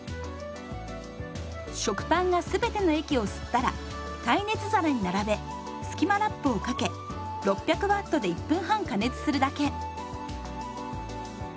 食パンが全ての液を吸ったら耐熱皿に並べ「スキマラップ」をかけ６００Ｗで１分半加熱するだけ。